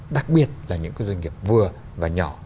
đặc biệt là những cái doanh nghiệp vừa và nhỏ